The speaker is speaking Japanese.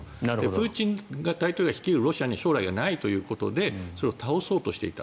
プーチン大統領が率いるロシアに将来がないということでそれを倒そうとしていた。